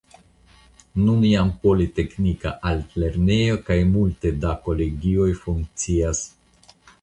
Nun jam politeknika altlernejo kaj multe da kolegioj funkcias.